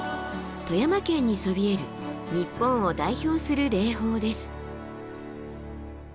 富山県にそびえる日本を代表する霊峰です。